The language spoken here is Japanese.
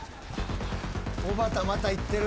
おばたまた行ってる。